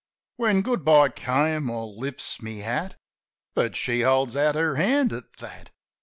When Good bye came, I lifts my hat; But she holds out her hand at that.